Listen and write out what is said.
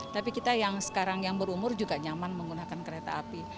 tapi kita yang sekarang yang berumur juga nyaman menggunakan kereta api